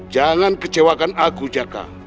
jangan kecewakan aku jaka